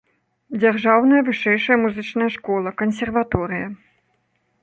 Дзяржаўная вышэйшая музычная школа, кансерваторыя.